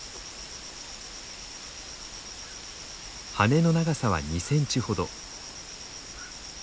羽の長さは２センチほど。